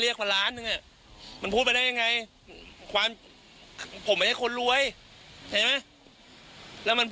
ย้อมแน่นอนครับ